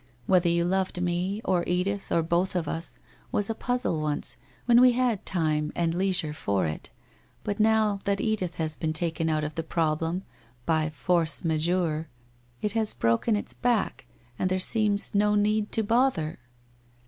Whether you loved me, or Edith, or both of us, was a puzzle once, when we had time and leisure for it, but now, that Edith has been taken out of the problem by force majeure, it has broken its back and there seems no need to bother